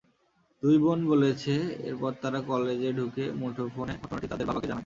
দুই বোন বলেছে, এরপর তারা কলেজে ঢুকে মুঠোফোনে ঘটনাটি তাদের বাবাকে জানায়।